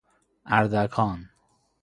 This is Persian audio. اردکان